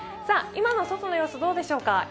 今の外の様子、どうでしょうか。